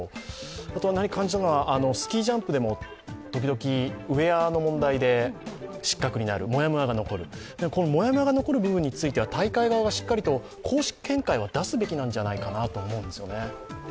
あとはスキージャンプでも時々ウエアの問題で失格になる、モヤモヤが残る、モヤモヤが残る部分については大会側がしっかりと公式見解を出すべきなんじゃないかなと思うんですよね。